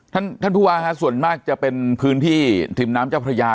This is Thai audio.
ท่านท่านผู้ว่าฮะส่วนมากจะเป็นพื้นที่ริมน้ำเจ้าพระยา